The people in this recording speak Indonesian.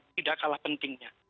tidak kalah pentingnya